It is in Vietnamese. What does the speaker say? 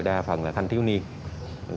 đa phần là thanh thiếu niên